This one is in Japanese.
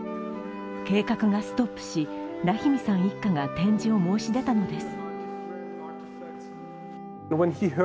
計画がストップし、ラヒミさん一家が展示を申し出たのです。